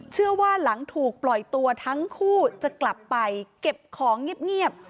เชื่อว่าหลังถูกปล่อยตัวทั้งคู่จะกลับไปเก็บของเงียบ